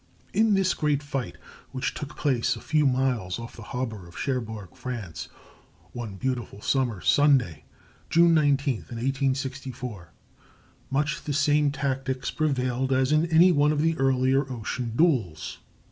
In this great fight, which took place a few miles off the harbor of Cherbourg, France, one beautiful summer Sunday (June 19th) in 1864, much the same tactics prevailed as in any one of the earlier ocean duels.